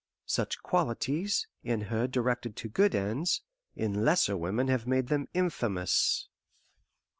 Such qualities, in her directed to good ends, in lesser women have made them infamous.